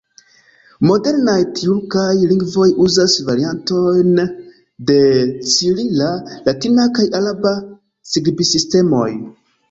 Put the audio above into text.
Modernaj tjurkaj lingvoj uzas variantojn de cirila, latina kaj araba skribsistemoj.